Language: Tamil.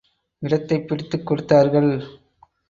இடத்தைப் பிடித்துக் கொடுத்தார்கள்.